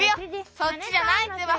そっちじゃないってば。